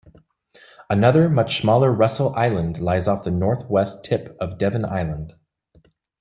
Another, much smaller Russell Island lies off the northwest tip of Devon Island.